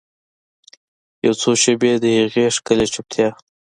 یوڅو شیبې د هغې ښکلې چوپتیا